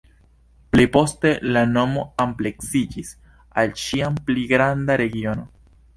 Pli poste la nomo ampleksiĝis al ĉiam pli granda regiono.